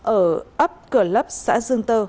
ở ấp cửa lấp xã dương tơ